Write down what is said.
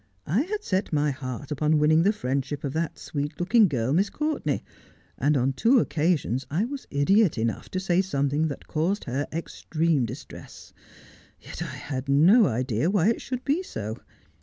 I had set my heart upon winning the friendship of that sweet looking girl, Miss Courtenay, and on two occasions I was idiot enough to say something that caused her extreme distress. Yet I had no idea why it should be so.